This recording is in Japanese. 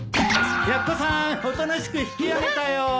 ・やっこさんおとなしく引き揚げたよ。